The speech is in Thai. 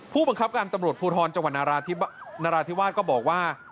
ผู้บังคับการตำรวจภูทรจังหวัดนราธิวาสก็บอกว่า